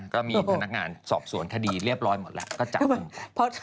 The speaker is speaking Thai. ก็มีพนักงานสอบสวนคดีเรียบร้อยหมดแล้วก็จับกลุ่ม